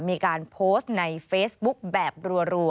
มีการโพสต์ในเฟซบุ๊คแบบรัว